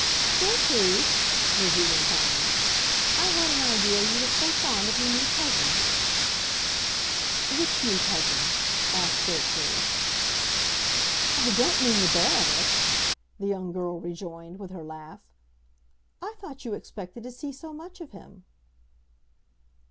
"Gertrude," Lizzie went on, "I had an idea you were so fond of your new cousin." "Which new cousin?" asked Gertrude. "I don't mean the Baroness!" the young girl rejoined, with her laugh. "I thought you expected to see so much of him."